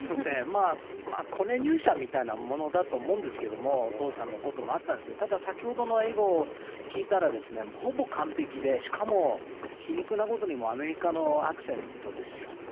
まあ、コネ入社みたいなものだと思うんですけれども、お父さんのこともあったんですよ、ただ先ほどの英語を聞いたら、ほぼ完ぺきで、しかも皮肉なことにもアメリカのアクセントですよ。